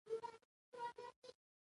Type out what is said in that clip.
چین د مصنوعي ځیرکتیا مرکز دی.